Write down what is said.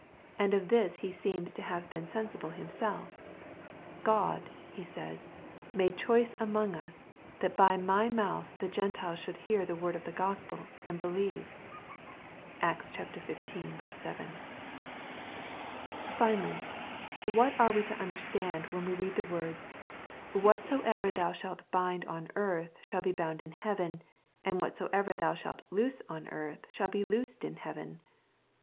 And of this he seems to have been sensible himself :" God," he says, " made choice among us, that by my mouth the Gentiles should hear the word of the Gospel, and be lieve." (Acts XV. 7.) Finally, what are we to understand, when we read the words, " Whatsoever thou shalt bind on earth shall be bound in heaven, and whatsoever thou shalt loose on earth shall be loosed in heaven